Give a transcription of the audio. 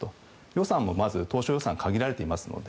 予算をまず当初予算限られていますので。